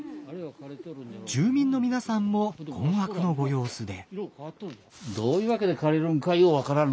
住民の皆さんも困惑のご様子で。